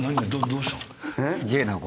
どうしたの？」